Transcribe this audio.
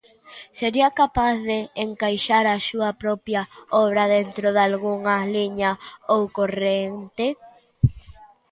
Sería capaz de encaixar a súa propia obra dentro dalgunha liña ou corrente?